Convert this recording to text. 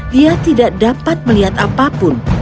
dia tidak dapat melihat apapun